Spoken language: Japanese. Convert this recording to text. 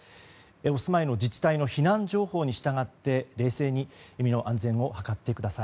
お住まいの自治体の避難情報に従って冷静に身の安全を図ってください。